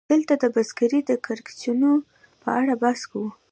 دلته د بزګرۍ د کړکېچونو په اړه بحث کوو